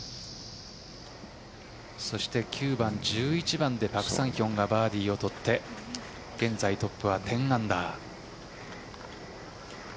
そして９番、１１番でパク・サンヒョンがバーディーをとって現在、トップは１０アンダー。